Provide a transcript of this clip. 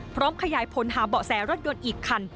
ขยายผลหาเบาะแสรถยนต์อีกคัน